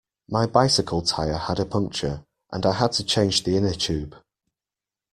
My bicycle tyre had a puncture, and I had to change the inner tube